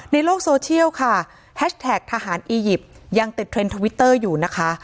ในโลกโซเชียลค่ะแฮชแท็กทหารอียิปต์ยังติดเทรนด์ทวิตเตอร์อยู่นะคะ